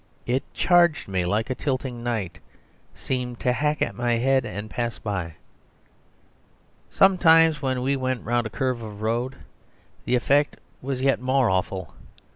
It charged me like a tilting knight, seemed to hack at my head, and pass by. Sometimes when we went round a curve of road, the effect was yet more awful.